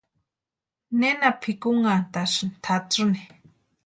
¿Nena pʼikunhantʼasïni tʼatsïni?